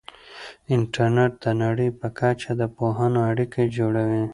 انټرنیټ د نړۍ په کچه د پوهانو اړیکه جوړوي.